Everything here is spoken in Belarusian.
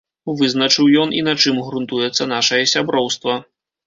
Вызначыў ён, і на чым грунтуецца нашае сяброўства.